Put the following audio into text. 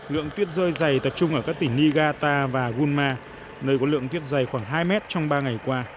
lượng tuyết rơi dày tập trung ở các tỉnh niigata và gunma nơi có lượng tuyết dày khoảng hai mét trong ba ngày qua